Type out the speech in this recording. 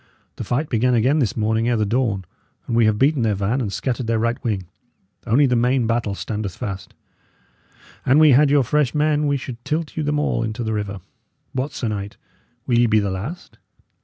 The fight began again this morning ere the dawn, and we have beaten their van and scattered their right wing. Only the main battle standeth fast. An we had your fresh men, we should tilt you them all into the river. What, sir knight! Will ye be the last?